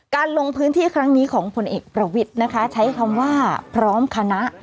ลงพื้นที่ครั้งนี้ของผลเอกประวิทย์นะคะใช้คำว่าพร้อมคณะ